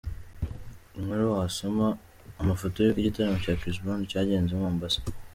Inkuru wasoma: Amafoto y’uko igitaramo cya Chris Brown cyagenze i Mombasa.